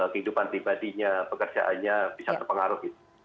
kehidupan pribadinya pekerjaannya bisa terpengaruh gitu